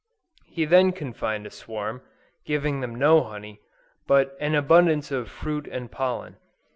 He then confined a swarm, giving them no honey, but an abundance of fruit and pollen.